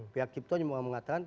pihak cipto cuma mengatakan